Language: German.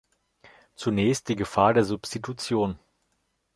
Zunächst die Gefahr der Substitution.